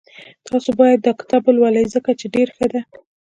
تاسو باید داکتاب ولولئ ځکه چی ډېر ښه ده